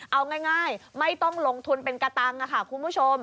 เอาง่ายไม่ต้องลงทุนเป็นกระตังค่ะคุณผู้ชม